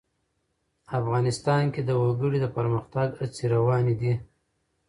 افغانستان کې د وګړي د پرمختګ هڅې روانې دي.